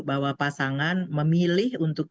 bahwa pasangan memilih untuk